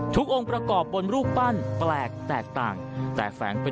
องค์ประกอบบนรูปปั้นแปลกแตกต่างแตกแฝงเป็น